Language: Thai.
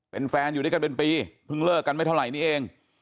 เป็นแฟนอยู่ด้วยกันเป็นปีเพิ่งเลิกกันไม่เท่าไหร่นี้เอง